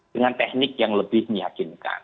dengan teknik yang lebih meyakinkan